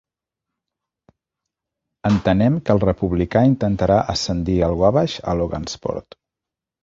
Entenem que el republicà intentarà ascendir al Wabash a Logansport.